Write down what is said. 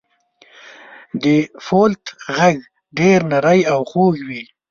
• د فلوت ږغ ډېر نری او خوږ وي.